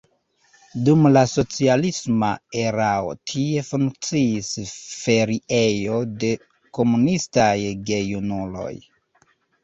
Dum la socialisma erao tie funkciis feriejo de "komunistaj" gejunuloj.